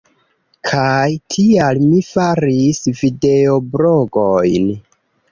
Kaj tial mi faris videoblogojn.